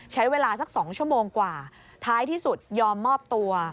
ใช้เวลาสัก๒ชั่วโมงกว่าท้ายที่สุดยอมมอบตัว